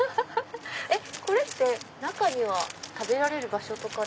これって中には食べられる場所とか。